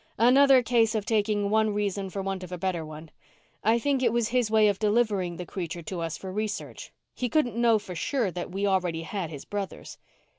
"Another case of taking one reason for want of a better one. I think it was his way of delivering the creature to us for research. He couldn't know for sure that we already had his 'brothers.'"